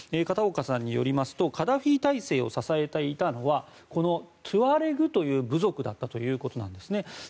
片岡さんによりますとカダフィ体制を支えていたのはトゥアレグという部族だったということです。